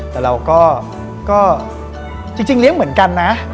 แต่เราก็จริงเลี้ยงเหมือนกันนะ